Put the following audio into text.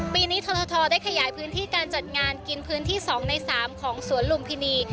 ปีนี้ทรทได้ขยายพื้นที่การจัดงานกินพื้นที่๒ใน๓ของสวนลุมพินี